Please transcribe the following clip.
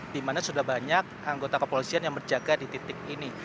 di mana sudah banyak anggota kepolisian yang berjaga di titik ini